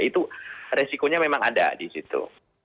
itu resikonya memang ada di situ